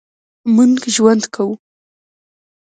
مونږ ژوند کوو